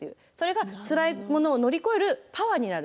つらいものを乗り越えるパワーになる。